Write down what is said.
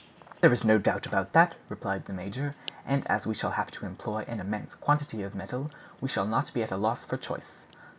"There is no doubt about that," replied the major; "and as we shall have to employ an immense quantity of metal, we shall not be at a loss for choice."